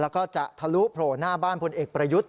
แล้วก็จะทะลุโผล่หน้าบ้านพลเอกประยุทธ์